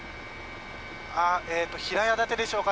平屋建てでしょうか。